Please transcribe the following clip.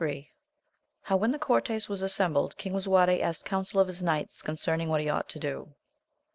— How when the Cortes was assembled King Lisuarte asked counsel of his knights concerning what he ought to do.